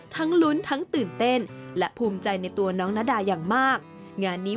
ลุ้นทั้งตื่นเต้นและภูมิใจในตัวน้องนาดาอย่างมากงานนี้